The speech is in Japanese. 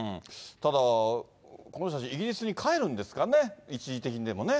ただ、この人たち、イギリスに帰るんですかね、一時的にでもね。